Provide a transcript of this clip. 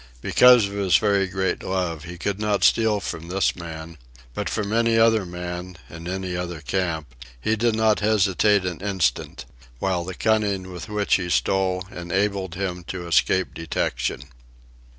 Because of his very great love, he could not steal from this man, but from any other man, in any other camp, he did not hesitate an instant; while the cunning with which he stole enabled him to escape detection.